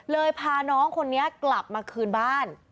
พาน้องคนนี้กลับมาคืนบ้าน